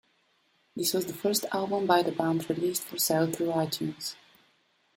This was the first album by the band released for sale through iTunes.